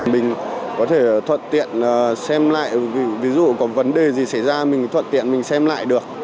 mình có thể thuận tiện xem lại ví dụ có vấn đề gì xảy ra mình thuận tiện mình xem lại được